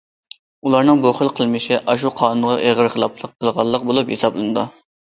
ئۇلارنىڭ بۇ خىل قىلمىشى ئاشۇ قانۇنغا ئېغىر خىلاپلىق قىلغانلىق بولۇپ ھېسابلىنىدۇ.